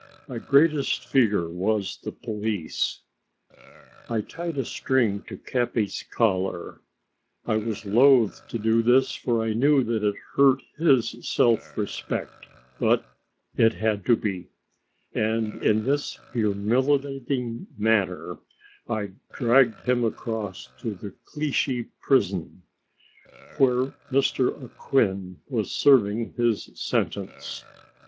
My greatest fear was the police. I tied a string to Capi's collar. I was loath to do this, for I knew that it hurt his self respect, but it had to be, and in this humiliating manner I dragged him along to the Clichy prison, where M. Acquin was serving his sentence.